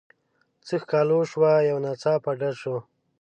څه ښکالو شوه یو ناڅاپه ډز شو.